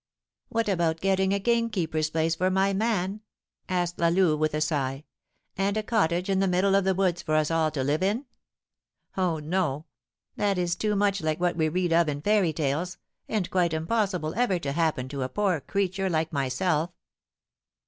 "What about getting a gamekeeper's place for my man?" asked La Louve, with a sigh; "and a cottage in the middle of the woods for us all to live in? Oh, no! That is too much like what we read of in fairy tales, and quite impossible ever to happen to a poor creature like myself."